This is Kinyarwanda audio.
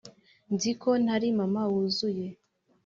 nzi ko ntari mama wuzuye,